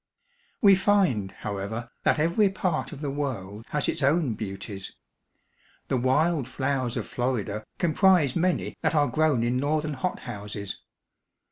We find, however, that every part of the world has its own beauties. The wild flowers of Florida comprise many that are grown in northern hot houses.